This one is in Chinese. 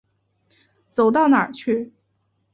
走到哪儿去。